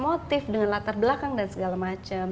motif dengan latar belakang dan segala macam